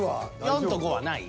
４と５はない？